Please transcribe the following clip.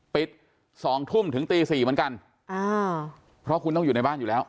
สองทุ่มถึงตีสี่เหมือนกันอ่าเพราะคุณต้องอยู่ในบ้านอยู่แล้ว